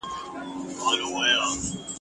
د ښوونځيو رنګول يو ښه اقدام دئ.